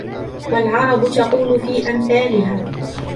وَالْعَرَبُ تَقُولُ فِي أَمْثَالِهَا